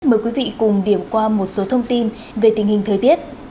mời quý vị cùng điểm qua một số thông tin về tình hình thời tiết